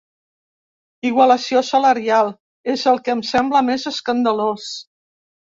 Igualació salarial, és el que em sembla més escandalós.